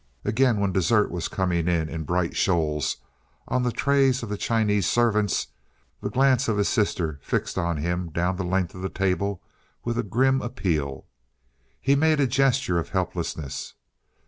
Again when dessert was coming in bright shoals on the trays of the Chinese servants, the glance of his sister fixed on him down the length of the table with a grim appeal. He made a gesture of helplessness.